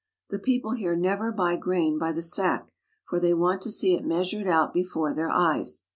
The people here never buy grain by the sack, for they want to see it measured out before their eyes.